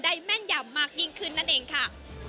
แม่นยำมากยิ่งขึ้นนั่นเองค่ะ